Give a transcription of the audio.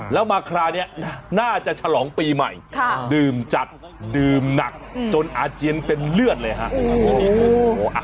แล้วมาคราวนี้น่าจะฉลองปีใหม่ดื่มจัดดื่มหนักจนอาเจียนเป็นเลือดเลยฮะ